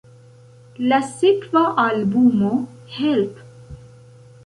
La sekva albumo "Help!